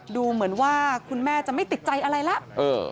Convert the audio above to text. ดูเหมือนว่าคุณแม่จะไม่ติดใจอะไรแล้ว